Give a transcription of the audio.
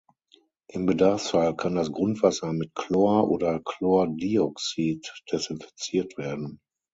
Im Bedarfsfall kann das Grundwasser mit Chlor oder Chlordioxid desinfiziert werden.